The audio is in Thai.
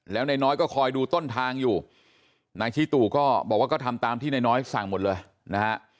แล้วนายน้อยก็คอยดูต้นทางอยู่นายชิตู่ก็บอกว่าก็ทำตามที่นายน้อยสั่งหมดเลยนะฮะ